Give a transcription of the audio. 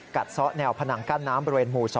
ซ้อแนวผนังกั้นน้ำบริเวณหมู่๒